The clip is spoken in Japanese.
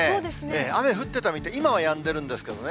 雨降ってたみたい、今はやんでるんですけどね。